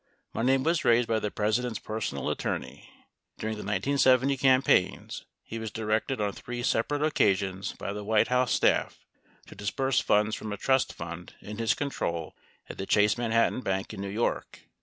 Money was raised by the President's personal attorney. During the 1970 cam paigns, he was directed on three separate occasions by the White House staff to disburse funds from a trust, fund in his control at the Chase Manhattan Bank in New York.